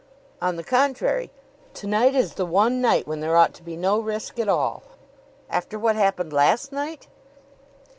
"On the contrary, to night is the one night when there ought to be no risk at all." "After what happened last night?"